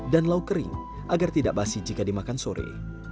dan lau kering agar tidak basi jika dimakan sore